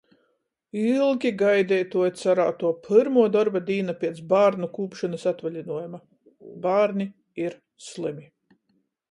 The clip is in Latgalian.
Ilgi gaideituo i carātuo pyrmuo dorba dīna piec bārnu kūpšonys atvalinuojuma - bārni ir slymi.